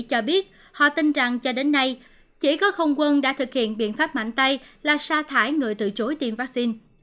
cho biết họ tin rằng cho đến nay chỉ có không quân đã thực hiện biện pháp mạnh tay là sa thải người từ chối tiêm vaccine